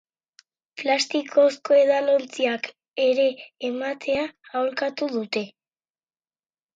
Plastikozko edalontziak ere ematea aholkatu dute.